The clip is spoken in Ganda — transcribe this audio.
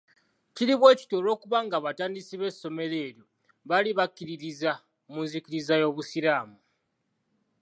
Kiri bwe kityo olw'okuba nga abatandisi b'essomero eryo baali bakkiririza mu nzikiriza y'obusiraamu.